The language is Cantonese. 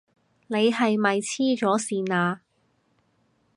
你係咪痴咗線啊？